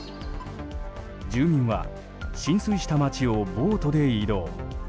住民は、浸水した街をボートで移動。